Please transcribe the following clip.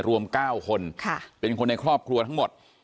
รวม๙คนเป็นคนในครอบครัวทั้งหมด